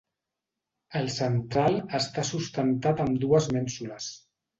El central està sustentat amb dues mènsules.